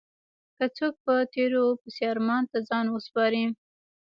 که څوک په تېرو پسې ارمان ته ځان وسپاري.